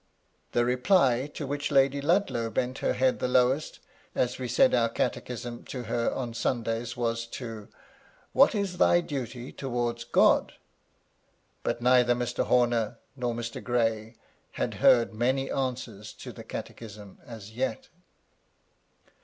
The reply to which Lady Ludlow bent her £ 3 82 MY LADY LUDLOW. head the lowest, as we said our Catechism to her on Sundays, was to, "What is thy duty towards God ?" But neither Mr. Horaer nor Mr. Gray had heard many answers to the Catechism as yet.